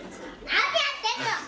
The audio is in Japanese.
「何やってんの？」